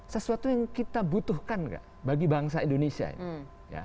sesuatu yang kita butuhkan nggak bagi bangsa indonesia ini